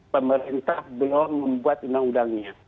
pemerintah belum membuat undang undangnya